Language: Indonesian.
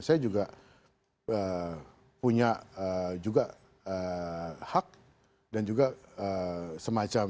saya juga punya juga hak dan juga semacam